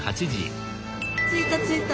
着いた着いた。